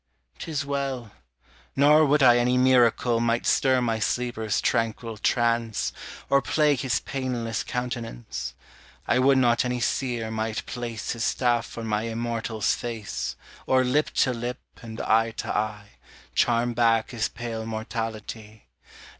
'Tis well; Nor would I any miracle Might stir my sleeper's tranquil trance, Or plague his painless countenance: I would not any seer might place His staff on my immortal's face. Or lip to lip, and eye to eye, Charm back his pale mortality.